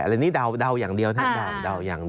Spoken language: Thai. อันนี้เดาอย่างเดียวนะ